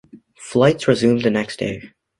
Flights resumed the next day.